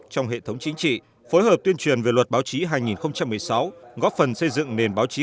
trong hệ thống chính trị phối hợp tuyên truyền về luật báo chí hai nghìn một mươi sáu góp phần xây dựng nền báo chí